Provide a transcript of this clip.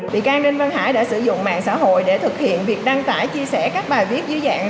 bị can đinh văn hải đã sử dụng mạng xã hội để thực hiện việc đăng tải chia sẻ các bài viết dưới dạng